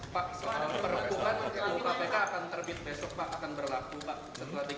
pak soal perbu kan uu kpk akan terbit besok pak akan berlaku pak